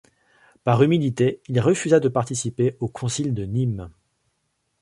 Par humilité, il refusa de participer au Concile de Nîmes.